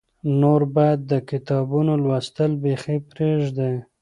نور باید د کتابونو لوستل بیخي پرېږدې.